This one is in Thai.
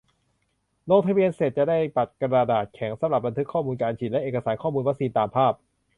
ลงทะเบียนเสร็จจะได้บัตรกระดาษแข็ง สำหรับบันทึกข้อมูลการฉีดและเอกสารข้อมูลวัคซีน ตามภาพ